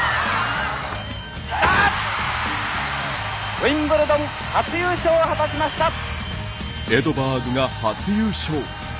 ウィンブルドン初優勝を果たしました。